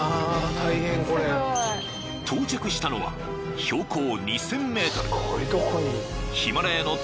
［到着したのは標高２，０００ｍ］